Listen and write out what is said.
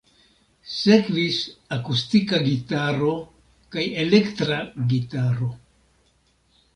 Sekvis akustika gitaro kaj elektra gitaro.